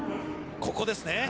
ここですね。